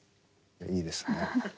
いいですね。